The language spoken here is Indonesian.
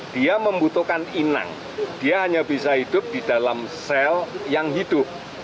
dia membutuhkan inang dia hanya bisa hidup di dalam sel yang hidup